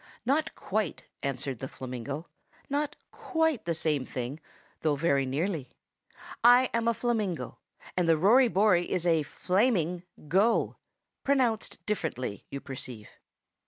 "Not quite," answered the flamingo. "Not quite the same thing, though very nearly. I am a flamingo, and the Rory Bory is a flaming go; pronounced differently, you perceive.